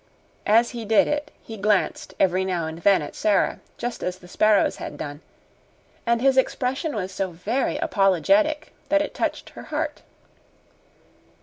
As he did it he glanced every now and then at Sara, just as the sparrows had done, and his expression was so very apologetic that it touched her heart.